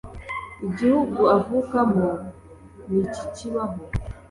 igihugu avukamo nikikibaho.